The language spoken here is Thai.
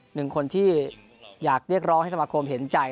หนึ่งคนที่อยากเรียกร้องให้สมาคมเห็นใจ